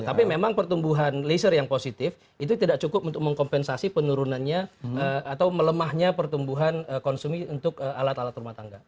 tapi memang pertumbuhan leaser yang positif itu tidak cukup untuk mengkompensasi penurunannya atau melemahnya pertumbuhan konsumsi untuk alat alat rumah tangga